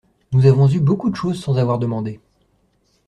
Nous avons eu beaucoup de choses sans avoir demandé.